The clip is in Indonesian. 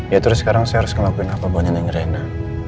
ya terus sekarang saya harus ngelakuin apa banyak yang rena